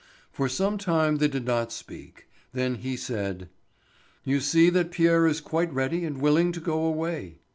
For some time they did not speak; then he said: "You see that Pierre is quite ready and willing to go away."